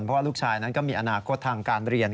เพราะว่าลูกชายนั้นก็มีอนาคตทางการเรียน